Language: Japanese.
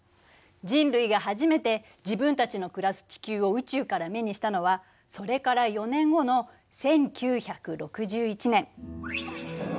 人類が初めて自分たちの暮らす地球を宇宙から目にしたのはそれから４年後の１９６１年。